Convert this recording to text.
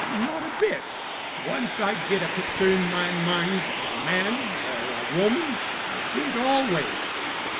"Not a bit. Once I get a picter in my mind of a man or a woman I see it always.